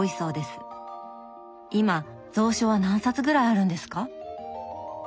今蔵書は何冊ぐらいあるんですか？